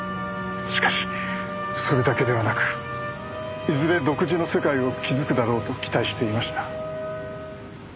しかしそれだけではなくいずれ独自の世界を築くだろうと期待していました。